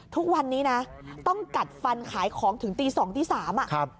ทุกวันนี้นะต้องกัดฟันขายของถึงตี๒ตี๓อ่ะครับ